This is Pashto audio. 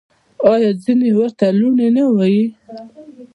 آیا ځینې ورته لوني نه وايي؟